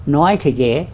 nói thì dễ